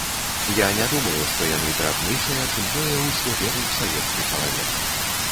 Я не думаю, што яны драбнейшыя, чым тое, у што верыў савецкі чалавек.